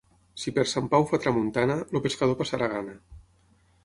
Si per Sant Pau fa tramuntana, el pescador passarà gana.